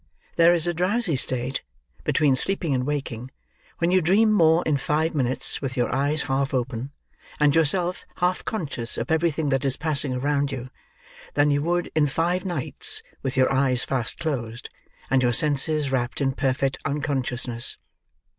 There is a drowsy state, between sleeping and waking, when you dream more in five minutes with your eyes half open, and yourself half conscious of everything that is passing around you, than you would in five nights with your eyes fast closed, and your senses wrapt in perfect unconsciousness.